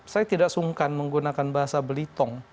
saya tidak sungkan menggunakan bahasa belitong